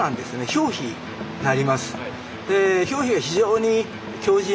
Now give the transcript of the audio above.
表皮になります。